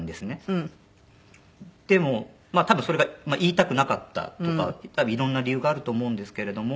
でも多分それが言いたくなかったとか多分いろんな理由があると思うんですけれども。